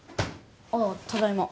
ああただいま。